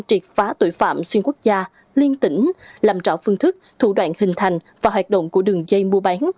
triệt phá tội phạm xuyên quốc gia liên tỉnh làm rõ phương thức thủ đoạn hình thành và hoạt động của đường dây mua bán